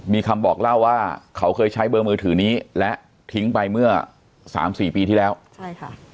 มีคำบอกเล่าว่าเขาเคยใช้เบอร์มือถือนี้และทิ้งไปเมื่อสามสี่ปีที่แล้วใช่ค่ะ